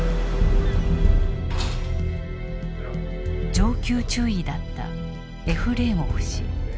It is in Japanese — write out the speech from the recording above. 上級中尉だったエフレーモフ氏。